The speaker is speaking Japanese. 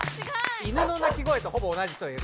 犬の鳴き声とほぼ同じという。